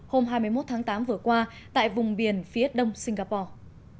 hôm hai mươi một tháng tám vừa qua tại vùng biển phía đông singapore